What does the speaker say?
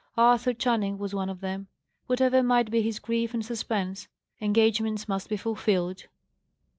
Arthur Channing was one of them. Whatever might be his grief and suspense, engagements must be fulfilled.